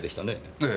ええ。